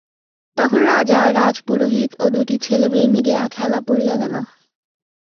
তখন রাজা রাজপুরোহিত ও দুটি ছেলেমেয়ে মিলিয়া খেলা পড়িয়া গেল।